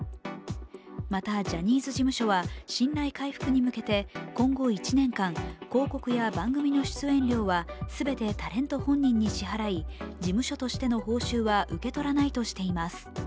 またジャニーズ事務所は信頼回復に向けて今後１年間、広告や番組の出演料は、全てタレント本人に支払い、事務所としての報酬は受け取らないとしています。